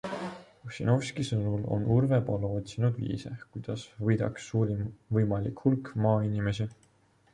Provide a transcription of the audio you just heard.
Ossinovski sõnul on Urve Palo otsinud viise, kuidas võidaks suurim võimalik hulk maainimesi.